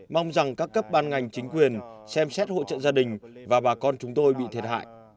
mong rằng các cấp ban ngành chính quyền xem xét hỗ trợ gia đình và bà con chúng tôi bị thiệt hại